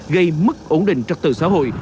gây mất ổn định trật tự xã hội